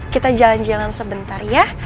kita jalan jalan sebentar ya